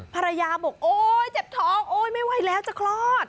ภรรยาบอกโอ๊ยเจ็บท้องโอ๊ยไม่ไหวแล้วจะคลอด